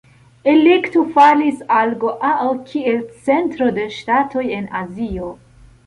Elekto falis al Goao kiel centro de ŝtatoj en Azio.